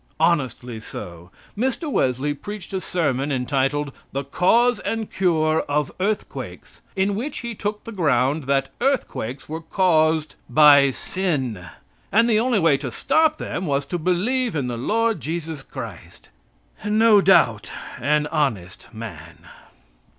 Honestly so. Mr. Wesley preached a sermon entitled, "The Cause and Cure of Earthquakes," in which he took the ground that earthquakes were caused by sin and the only way to stop them was to believe in the Lord Jesus Christ. No doubt an honest man.